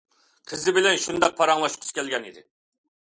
قىزى بىلەن شۇنداق پاراڭلاشقۇسى كەلگەن ئىدى.